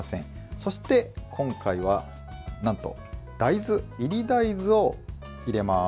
そして今回はなんと炒り大豆を入れます。